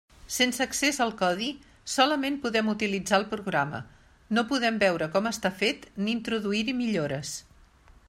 Sense accés al codi solament podem utilitzar el programa; no podem veure com està fet ni introduir-hi millores.